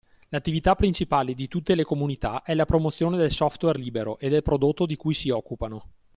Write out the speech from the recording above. L’attività principale di tutte le comunità è la promozione del software libero e del prodotto di cui si occupano.